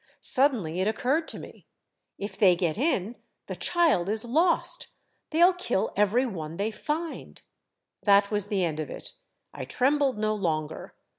Sud denly it occurred to me :* If they get in, the child is lost ! They '11 kill every one they find. That was the end of it. I trembled no longer.